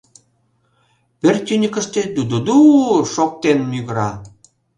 Пӧрт тӱньыкыштӧ ду-ду-ду-у шоктыктен мӱгыра.